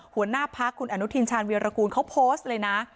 หัวหน้าพักคุณอนุทินชาญวีรกูลเขาโพสต์เลยนะ